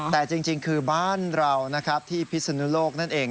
แต่จริงคือบ้านเรานะครับที่พิศนุโลกนั่นเอง